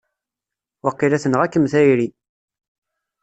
Waqila tenɣa-kem tayri!